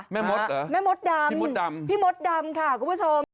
แม่มดเหรอพี่มดดำค่ะคุณผู้ชม